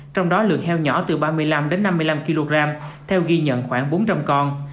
trong đó lượng heo nhỏ từ ba mươi năm năm mươi năm kg theo ghi nhận khoảng bốn trăm linh con